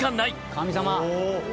神様！